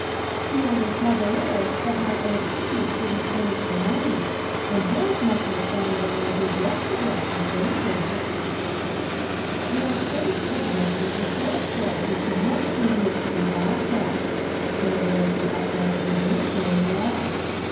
"The only trouble is that my old shoes wouldn't furnish the money ; and yours must look better than they did yesterday, if they would." Now Fanny Kedwin was the sort of girl who could never endure to be laughed at, though there was the utmost good nature in the laugh.